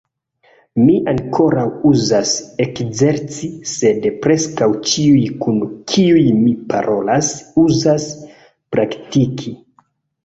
Mi ankoraŭ uzas ekzerci, sed preskaŭ ĉiuj kun kiuj mi parolas uzas praktiki.